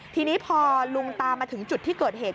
ทีนี้พอลุงตามาถึงจุดที่เกิดเหตุ